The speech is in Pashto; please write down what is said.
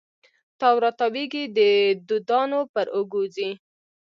تاو را تاویږې د دودانو پر اوږو ځي